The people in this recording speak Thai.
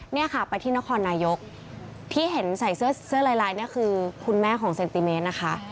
เนี่ยค่ะไปที่นครนายกที่เห็นใส่เสื้อลายเนี่ยคือคุณแม่ของเซนติเมตรนะคะ